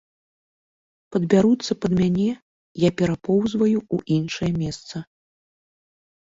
Падбяруцца пад мяне, я перапоўзваю ў іншае месца.